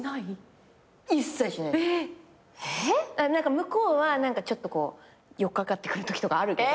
向こうは何かちょっと寄っかかってくるときとかあるけど。